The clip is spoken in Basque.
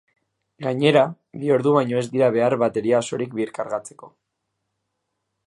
Gainera, bi ordu baino ez dira behar bateria osorik birkargatzeko.